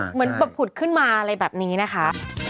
เหมือนแบบผุดขึ้นมาอะไรแบบนี้นะคะ